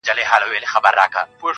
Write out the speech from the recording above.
ماته د مار خبري ډيري ښې دي.